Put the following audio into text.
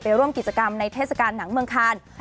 ร่วมกิจกรรมในเทศกาลหนังเมืองคาน